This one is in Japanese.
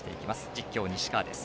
実況、西川です。